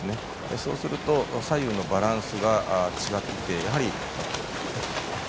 そうすると左右のバランスが違っていて。